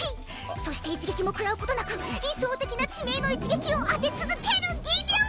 そして一撃もくらうことなく理想的な致命の一撃を当て続ける技量！